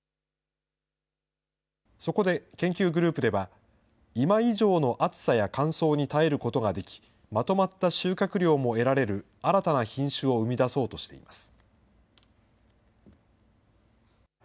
そこで、研究グループでは、今以上の暑さや乾燥に耐えることができ、まとまった収穫量も得られる新たな品種を生み出そうとしています。